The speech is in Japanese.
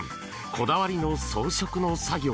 こだわりの装飾の作業。